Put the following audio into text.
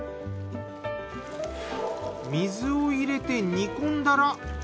水を入れて煮込んだら。